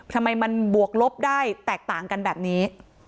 ทำไมมันบวกลบได้แตกต่างกันแบบนี้